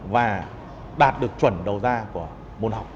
và đạt được chuẩn đầu ra của môn học